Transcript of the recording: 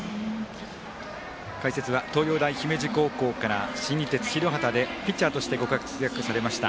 解説は東洋大姫路高校から新日鉄広畑でピッチャーとしてご活躍されました